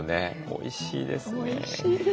おいしいです。